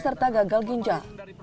serta gagal ginjal